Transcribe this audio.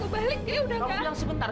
kamu bilang sebentar